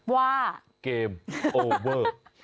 ว่าเกมโอเวอร์